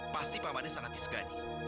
pasti pamade sangat disegani